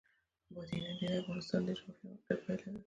بادي انرژي د افغانستان د جغرافیایي موقیعت پایله ده.